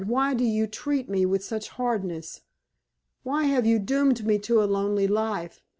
why do you treat me with such hardness? Why have you doomed me to a lonely life?